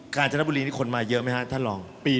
กาญจนบุรีคนมาเยอะไหมฮะท่านรอง